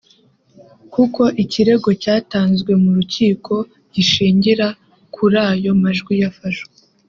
kuko ikirego cyatanzwe mu rukiko gishingira kuri ayo majwi yafashwe